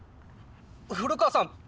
古川さん